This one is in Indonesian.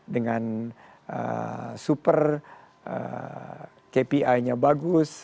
dengan super kpi nya bagus